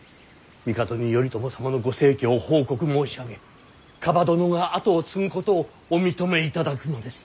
帝に頼朝様のご逝去を報告申し上げ蒲殿が跡を継ぐことをお認めいただくのです。